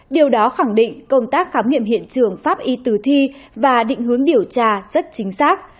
điều đó khẳng định công tác khám nghiệm hiện trường pháp y tử thi và định hướng điều tra rất chính xác